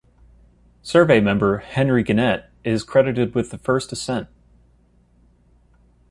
Survey member Henry Gannett is credited with the first ascent.